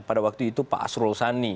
pada waktu itu pak asrul sani